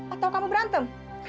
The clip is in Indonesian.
atau kamu berantem